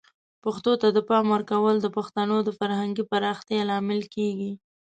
پښتو ته د پام ورکول د پښتنو د فرهنګي پراختیا لامل کیږي.